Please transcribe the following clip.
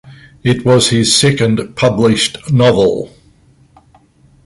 It was his second published novel.